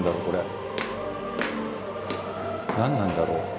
これ何なんだろう？